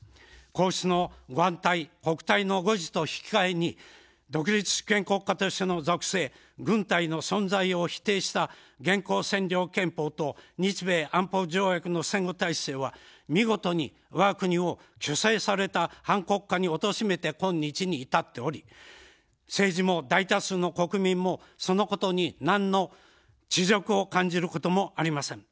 皇室の御安泰、国体の護持と引き替えに独立主権国家としての属性、軍隊の存在を否定した現行占領憲法と日米安保条約の戦後体制は、見事にわが国を去勢された半国家におとしめて今日に至っており政治も大多数の国民もそのことに何の恥辱を感じることもありません。